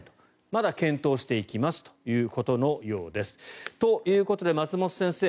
まだ検討していきますということのようです。ということで松本先生